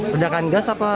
ledakan gas apa